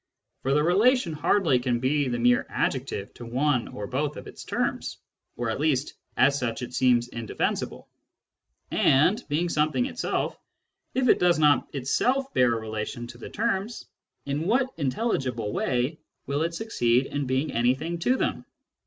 For the relation hardly can be the mere adjective of one or both of its terms ; or, at least, as such it seems indefensible. And, being something itself, if it does not itself bear a relation to the terms, in what intelligible way will it succeed in being anything to them